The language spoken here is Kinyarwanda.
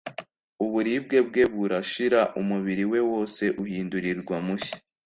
Uburibwe bwe burashira, umubiri we wose uhindurwa mushya.